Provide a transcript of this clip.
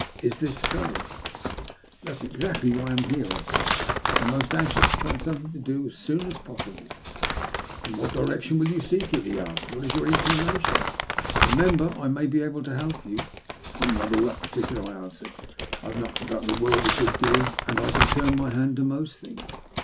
Is this so ?"That is exactly why I am here," I said. " I am most anxious to find something to do as soon as possible." SOUTH AFBICA. . 227 «< In what direction will you seek it ?" he asked. ''What is your inclination? Bemember, I may be able to help you." '' I am not at all particular/' I answered. I have knocked about the world a good deal, and I can turn my hand to most things.